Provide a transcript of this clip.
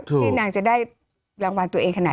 ที่นางจะได้รางวัลตัวเองขนาด